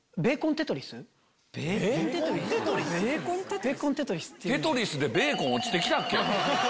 テトリスでベーコン落ちて来たっけ？